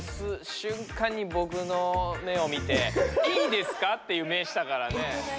しゅんかんにボクの目を見て「いいですか？」っていう目したからね。